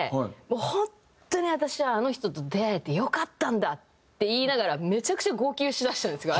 「もう本当に私はあの人と出会えて良かったんだ」って言いながらめちゃくちゃ号泣しだしたんですよ